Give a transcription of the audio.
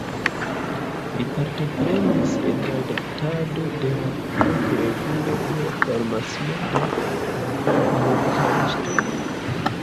Li partoprenis en la redaktado de la fakrevuo de "Farmacia" de Bukareŝto.